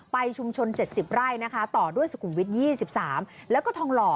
ไปชุมชน๗๐ไร่นะคะต่อด้วยสุขุมวิทย์๒๓แล้วก็ทองหล่อ